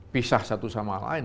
pisah satu sama lain